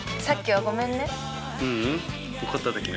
さっきはごめんね。